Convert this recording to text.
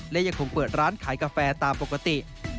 และยังคงเปิดร้านขายกาแฟตามปกติ